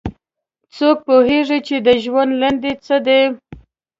څوک پوهیږي چې د ژوند لنډۍ څه ده